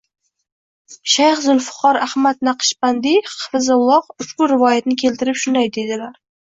Shayx Zulfiqor Ahmad Naqshbandiy hafizahulloh ushbu rivoyatni keltirib, shunday deydilar